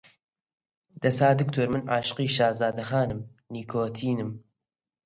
دەسا دکتۆر من عاشقی شازادە خانم نیکۆتینم